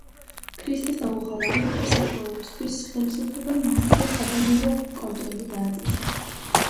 ქრისტეს დაუღალავი მსახურებისთვის ხელისუფლებამ მასზე საგანგებო კონტროლი დააწესა.